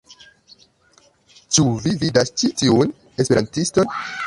Ĉu vi vidas ĉi tiun esperantiston?